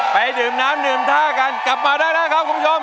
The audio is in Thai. ไปดื่มน้ำดื่มท่ากันกลับมาได้แล้วครับคุณผู้ชม